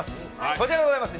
こちらでございます。